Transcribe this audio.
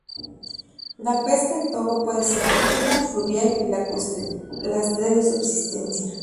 La pesca en Togo puede ser marítima, fluvial, y lacustre; las tres de subsistencia.